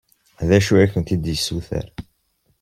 D acu i akent-d-yessuter?